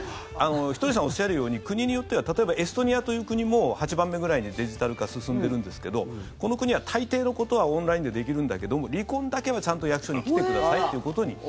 ひとりさんがおっしゃるように、国によっては例えばエストニアという国も８番目ぐらいにデジタル化、進んでるんですけどこの国は大抵のことはオンラインでできるんだけども離婚だけは、ちゃんと役所に来てくださいってなってる。